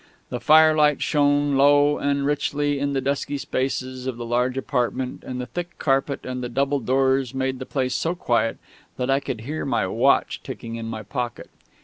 The firelight shone low and richly in the dusky spaces of the large apartment; and the thick carpet and the double doors made the place so quiet that I could hear my watch ticking in my pocket.